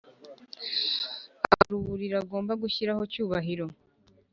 akora uburiri agomba gushyiraho cyubahiro